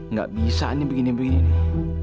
nggak bisa nih begini begini nih